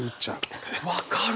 分かる。